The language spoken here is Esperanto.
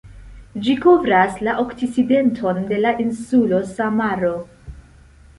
Ĝi kovras la okcidenton de la insulo Samaro.